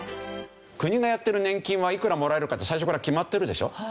国がやっている年金はいくらもらえるかって最初から決まってるでしょ？